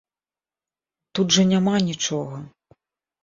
Тут жа няма нічога.